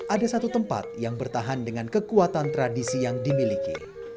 ada satu tempat yang bertahan dengan kekuatan tradisi yang dimiliki